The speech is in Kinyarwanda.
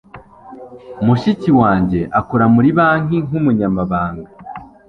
Mushiki wanjye akora muri banki nkumunyamabanga.